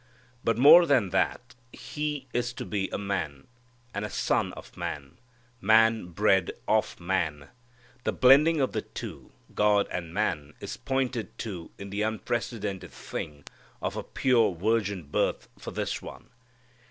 But more than that He is to be a man, and a son of man; man bred of man. The blending of the two, God and man, is pointed to in the unprecedented thing of a pure virgin birth for this one.